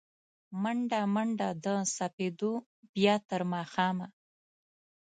مڼډه، منډه د سپېدو، بیا تر ماښامه